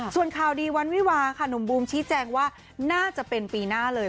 ส่วนข่าวดีวันวิวาค่ะหนุ่มบูมชี้แจงว่าน่าจะเป็นปีหน้าเลย